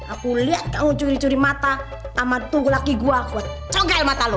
aku liat kamu curi curi mata sama tuh laki gua gua cokel mata lu